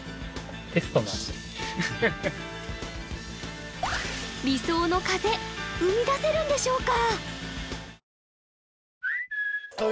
テストなんで理想の風生み出せるんでしょうか？